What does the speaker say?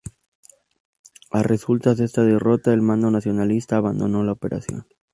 A resultas de esta derrota, el mando nacionalista abandonó la operación.